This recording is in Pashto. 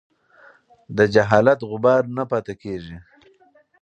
د جهالت غبار نه پاتې کېږي.